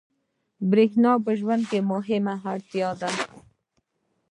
برېښنا په ژوند کې مهمه اړتیا ده.